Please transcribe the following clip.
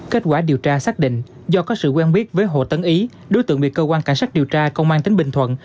kết quả điều tra xác định do có sự quen biết với hồ tấn ý đối tượng bị cơ quan cảnh sát điều tra công an tỉnh bình thuận